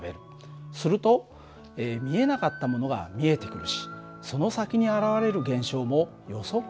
すると見えなかったものが見えてくるしその先に現れる現象も予測がつくようになるんだ。